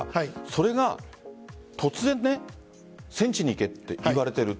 それが突然戦地に行けと言われている。